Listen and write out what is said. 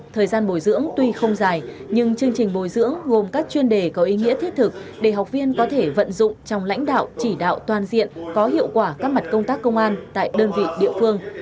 thời gian bồi dưỡng tuy không dài nhưng chương trình bồi dưỡng gồm các chuyên đề có ý nghĩa thiết thực để học viên có thể vận dụng trong lãnh đạo chỉ đạo toàn diện có hiệu quả các mặt công tác công an tại đơn vị địa phương